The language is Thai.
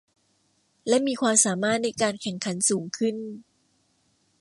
และมีความสามารถในการแข่งขันสูงขึ้น